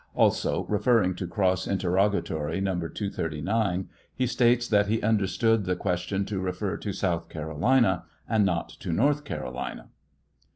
Also, referring to cross interrogatory No. 239, he states that he understood the question to refer to South Ca» olina, and not to North Carolina.